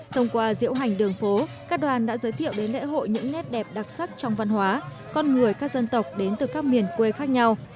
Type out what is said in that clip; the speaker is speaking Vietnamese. thông qua diễu hành đường phố các đoàn đã giới thiệu đến lễ hội những nét đẹp đặc sắc trong văn hóa con người các dân tộc đến từ các miền quê khác nhau